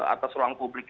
atas ruang publik